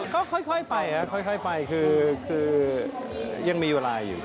ก็ค่อยไปครับค่อยไปคือยังมีเวลาอยู่